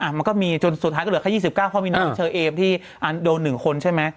มันก็มีจนสุดท้ายก็เหลือแค่๒๙เพราะมีน้องเชอเอมที่โดน๑คนใช่ไหม